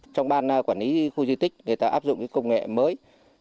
trong ban quản lý khu duy tích người ta áp dụng cái công nghệ mới